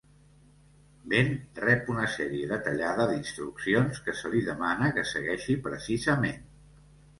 Ben rep una sèrie detallada d'instruccions que se li demana que segueixi precisament.